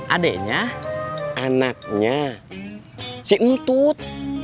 adeknya anaknya si untut